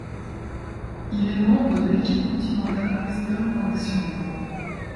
Il est membre de l'équipe continentale Wisdom-Hengxiang.